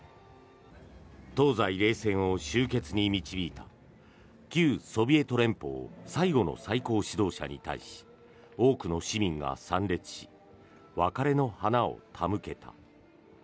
東西冷戦を終結に導いた旧ソビエト連邦最後の最高指導者に対し多くの市民が参列し別れの花を手向けた。